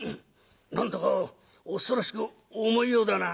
何だか恐ろしく重いようだな」。